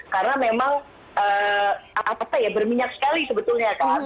karena memang berminyak sekali sebetulnya kan